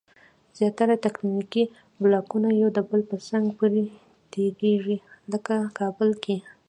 زیاره تکتونیکي بلاکونه یو د بل په څنګ پورې تېریږي. لکه کابل کې